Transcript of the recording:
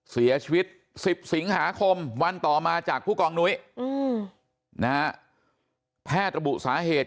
เสียชีวิต๑๐สิงหาคมวันต่อมาจากผู้กองนุ้ยนะฮะแพทย์ระบุสาเหตุ